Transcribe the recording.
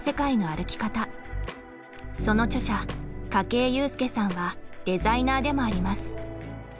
その著者筧裕介さんはデザイナーでもあります。